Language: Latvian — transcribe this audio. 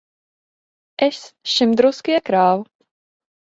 Es šim drusku iekrāvu.